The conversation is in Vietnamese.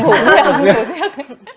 ngủ riêng ngủ riêng